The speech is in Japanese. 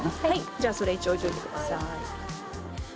じゃあそれ一応置いておいてください。